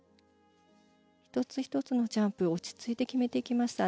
１つ１つのジャンプを落ち着いて決めてきました。